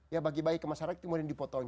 ya bagi bagi ke masyarakat kemudian dipotongi